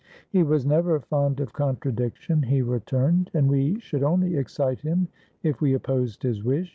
"He was never fond of contradiction," he returned. "And we should only excite him if we opposed his wish.